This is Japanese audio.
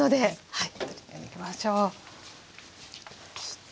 はい。